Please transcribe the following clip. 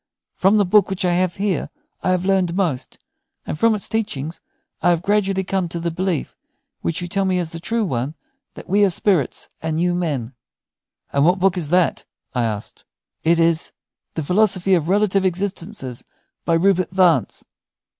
From the book which I have here I have learned most; and from its teachings I have gradually come to the belief, which you tell me is the true one, that we are spirits and you men." "And what book is that?" I asked. "It is 'The Philosophy of Relative Existences,' by Rupert Vance."